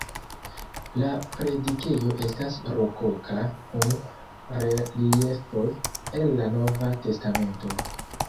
La predikejo estas rokoka kun reliefoj el la Nova Testamento.